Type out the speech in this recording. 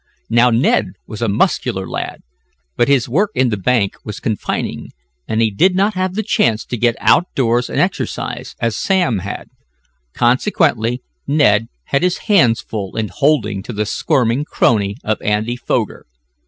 Now Ned was a muscular lad, but his work in the bank was confining, and he did not have the chance to get out doors and exercise, as Sam had. Consequently Ned had his hands full in holding to the squirming crony of Andy Foger.